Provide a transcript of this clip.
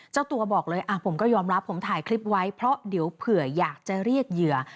เจ้าตัวบอกเลยผมก็ยอมรับผมถ่ายคลิปไว้เพราะเดี๋ยวเผื่ออยากจะเรียกเหยื่อ